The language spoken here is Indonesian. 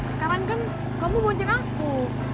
sekarang kan kamu bonjeng aku